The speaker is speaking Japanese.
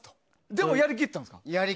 でもやり切ったんですか？